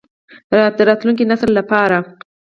د راتلونکي نسل لپاره.